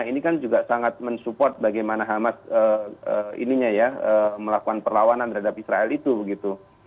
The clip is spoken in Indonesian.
ini kan juga sangat mensupport bagaimana hamas melakukan perlawanan terhadap israel itu begitu